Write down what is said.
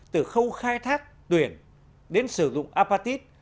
từ khâu khai thác tuyển đến sử dụng apatit